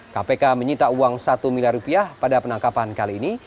kpk menyita uang satu miliar rupiah pada penangkapan kali ini